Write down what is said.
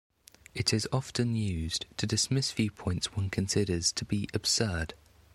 It is often used to dismiss viewpoints one considers to be absurd.